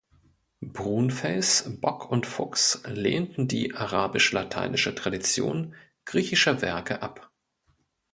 Brunfels, Bock und Fuchs lehnten die arabisch-lateinische Tradition griechischer Werke ab.